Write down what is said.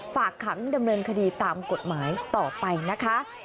ฝากขังดำเนินคดีตามกฎหมายต่อไปนะคะ